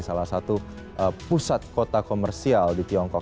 salah satu pusat kota komersial di tiongkok